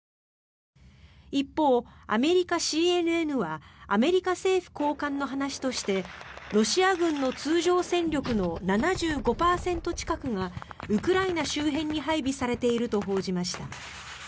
一方、アメリカＣＮＮはアメリカ政府高官の話としてロシア軍の通常戦力の７５％近くがウクライナ周辺に配備されていると報じました。